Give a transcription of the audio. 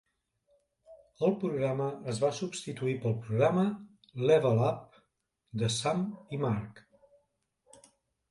El programa es va substituir pel programa "Level Up" de Sam i Mark.